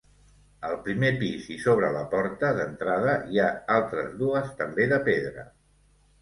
Al primer pis i sobre la porta d'entrada hi ha altres dues, també de pedra.